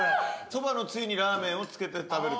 そばのつゆにラーメンをつけて食べるって。